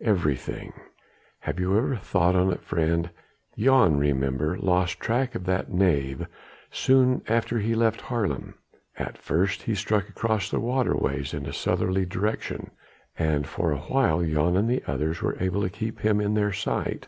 "Everything. Have you never thought on it, friend? Jan, remember, lost track of that knave soon after he left Haarlem. At first he struck across the waterways in a southerly direction and for awhile Jan and the others were able to keep him in sight.